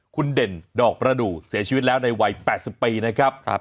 คุณเด่นดอกประดูกเสียชีวิตแล้วในวัย๘๐ปีนะครับ